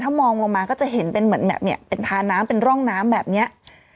มองลงมาก็จะเห็นเป็นเหมือนแบบเนี่ยเป็นทาน้ำเป็นร่องน้ำแบบเนี้ย